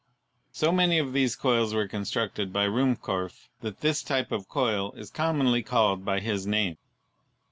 So many of these coils were constructed by Ruhmkorff that this type of coil is commonly called by his name.